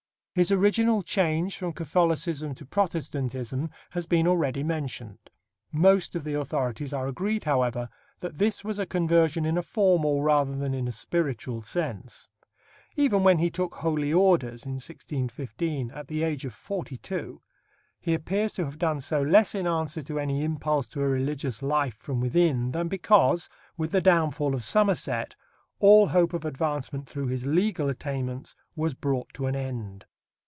His original change from Catholicism to Protestantism has been already mentioned. Most of the authorities are agreed, however, that this was a conversion in a formal rather than in a spiritual sense. Even when he took Holy Orders in 1615, at the age of forty two, he appears to have done so less in answer to any impulse to a religious life from within than because, with the downfall of Somerset, all hope of advancement through his legal attainments was brought to an end.